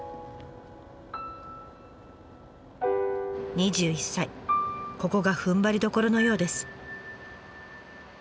２１歳ここがふんばりどころのようです。